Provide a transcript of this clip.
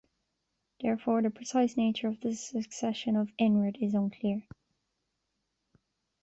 Therefore the precise nature of the succession of Eanred is unclear.